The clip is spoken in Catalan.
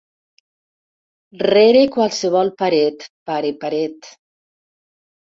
Rere qualsevol paret, pare paret.